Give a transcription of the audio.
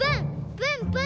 プンプン！